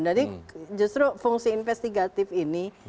jadi justru fungsi investigatif ini